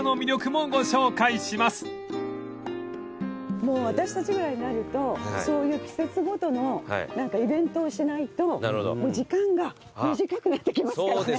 もう私たちぐらいになるとそういう季節ごとのイベントをしないともう時間が短くなってきますからね。